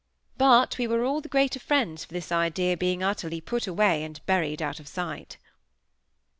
But we were all the greater friends for this idea being utterly put away and buried out of sight.